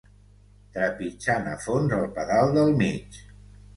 Trepitjant a fons el pedal del mig.